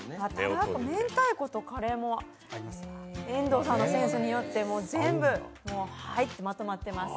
明太子とカレーも、遠藤さんのセンスによって全部まとまっています。